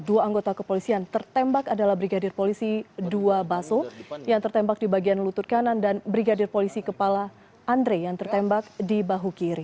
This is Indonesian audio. dua anggota kepolisian tertembak adalah brigadir polisi dua baso yang tertembak di bagian lutut kanan dan brigadir polisi kepala andre yang tertembak di bahu kiri